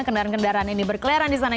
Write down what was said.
kendaraan kendaraan ini berkeleran di sana